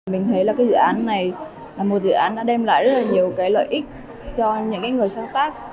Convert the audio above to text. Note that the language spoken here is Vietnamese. mình thấy là cái dự án này là một dự án đã đem lại rất là nhiều cái lợi ích cho những người sáng tác